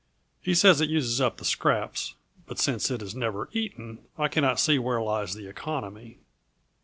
He says it uses up the scraps; but since it is never eaten, I cannot see wherein lies the economy."